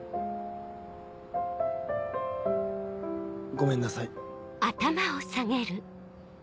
ごめんなさい。